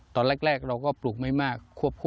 ตอนแรกเราก็ปลูกไม่มาก